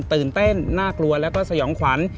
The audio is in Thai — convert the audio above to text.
ตื่นเต้นน่ากลัวแล้วก็สยองขวัญ